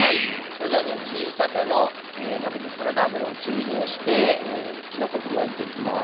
それではね小さめの鍋にサラダ油を中火で熱してきのこ加えていきます。